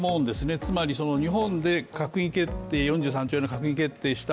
つまり日本で４３兆円の閣議決定をした